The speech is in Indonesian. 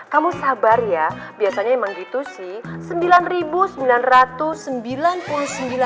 kamu sabar ya biasanya emang gitu sih